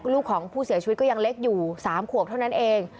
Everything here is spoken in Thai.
ลูกของผู้เสียชีวิตก็ยังเล็กอยู่๓ขวบเท่านั้นเอง